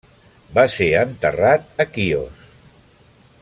Va ser enterrat a Quios.